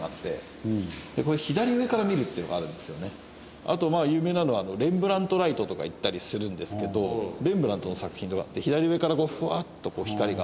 あとまあ有名なのはレンブラントライトとかいったりするんですけどレンブラントの作品とかって左上からフワッと光が。